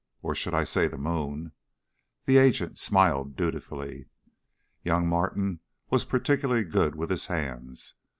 "Or should I say the moon?" The agent smiled dutifully. "Young Martin was particularly good with his hands.